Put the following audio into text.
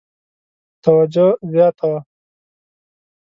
توجه زیاته وه.